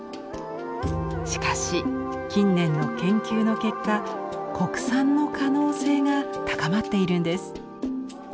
しかし近年の研究の結果国産の可能性が高まっているんです。